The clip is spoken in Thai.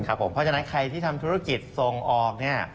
เพราะฉะนั้นใครที่ทำธุรกิจส่งออกเนี่ย